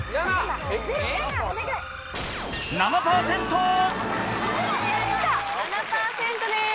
７！７％です。